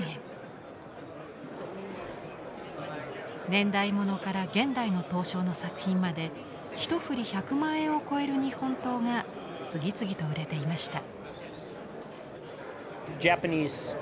年代物から現代の刀匠の作品まで１ふり１００万円を超える日本刀が次々と売れていました。